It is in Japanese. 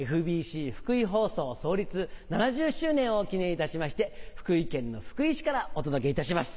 ＦＢＣ福井放送創立７０周年を記念いたしまして福井県の福井市からお届けいたします。